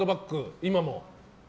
今も。